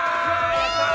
やったー！